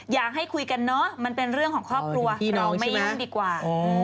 อยากให้คุยกันเนอะมันเป็นเรื่องของครอบครัวเราไม่ยุ่งดีกว่า